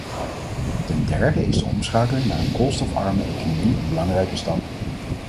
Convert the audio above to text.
Ten derde is de omschakeling naar een koolstofarme economie een belangrijke stap.